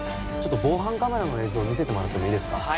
ちょっと防犯カメラの映像見せてもらってもいいですか？